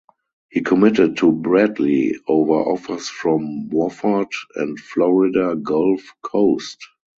He committed to Bradley over offers from Wofford and Florida Gulf Coast.